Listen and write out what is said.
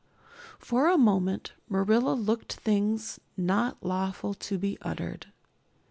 For a moment Marilla looked things not lawful to be uttered.